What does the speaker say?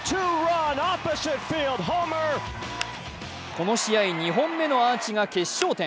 この試合、２本目のアーチが決勝点。